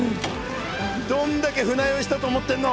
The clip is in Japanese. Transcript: どんだけ船酔いしたと思ってんの！